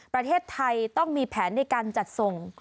ประเทศไทยต้องมีแผนในการจัดส่ง